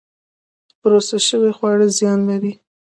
پروسس شوي خواړه زیان لري